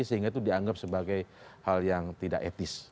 sehingga itu dianggap sebagai hal yang tidak etis